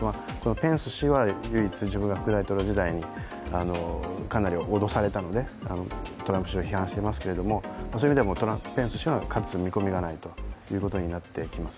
ペンス氏は唯一、自分が副大統領時代にかなり脅されたのでトランプ氏を批判していますけれどもそういう意味でペンス氏は勝つ見込みがないということになってきます。